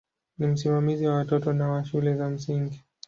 Ni msimamizi wa watoto na wa shule za msingi.